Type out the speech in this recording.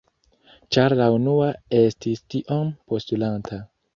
Ĉar la unua estis tiom postulanta.